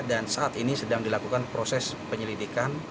dan saat ini sedang dilakukan proses penyelidikan